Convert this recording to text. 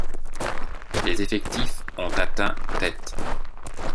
Les effectifs ont atteint têtes.